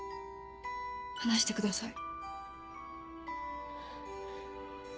話してください。